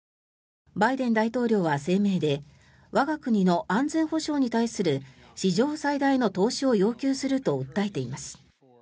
バイデン大統領は、声明で我が国の安全保障に対する史上最大の投資を要求すると訴えています。